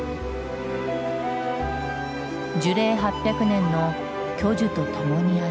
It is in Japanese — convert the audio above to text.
樹齢８００年の巨樹とともにある。